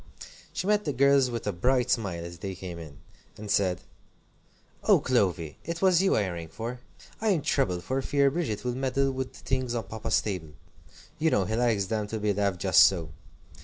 She met the girls with a bright smile as they came in, and said: "Oh, Clovy, it was you I rang for! I am troubled for fear Bridget will meddle with the things on Papa's table. You know he likes them to be left just so.